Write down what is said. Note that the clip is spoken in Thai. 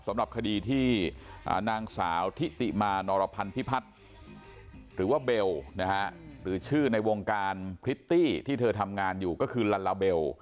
สำหรับคดีที่นางสาวทิติมานรพันธิพัฒน์หรือว่าเบลนะฮะหรือชื่อในวงการพริตตี้ที่เธอทำงานอยู่ก็คือลัลลาเบล